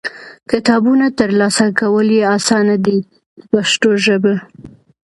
کتابونه ترلاسه کول یې اسانه دي په پښتو ژبه.